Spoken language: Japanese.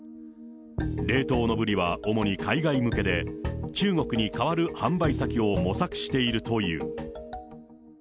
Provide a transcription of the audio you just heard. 冷凍のブリは主に海外向けで、中国に代わる販売先を模索しているという。